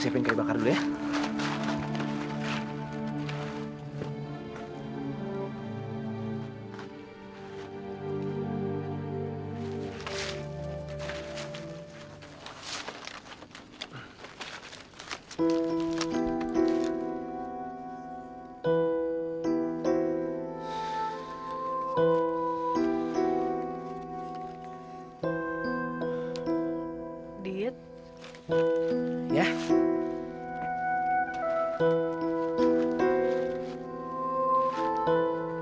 cepat pergi ke rumah sendiri baik saja